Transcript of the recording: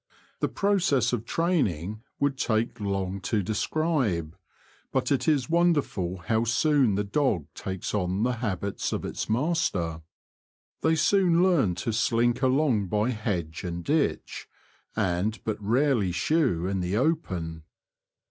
The process of training would take 6o The Confessions of a Poacher. long to describe ; but it is wonderful how soon the dog takes on the habits of its master. They ''■>,„,,»? 'mm soon learn to slink along by hedge and ditch, and but rarely shew in the open.